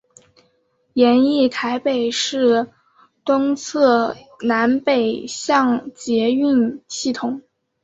研议台北市东侧南北向捷运系统。